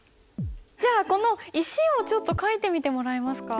じゃあこの「石」をちょっと書いてみてもらえますか？